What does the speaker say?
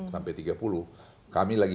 sampai tiga puluh kami lagi